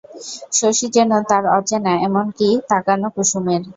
শশী যেন তার অচেনা, এমনি তাকানো কুসুমের।